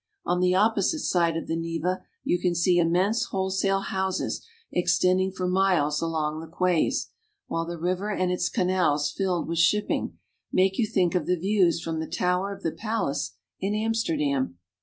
On the opposite side of the Neva you can see immense wholesale houses extending for miles along the quays, while the river and its canals, filled with shipping, make you think of the views from the tower of the palace in Amsterdam.